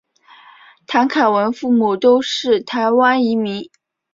谭凯文父母都是台湾移民。